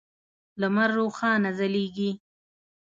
لمر روښانه ځلیږی